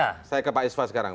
oke saya ke pak iswa sekarang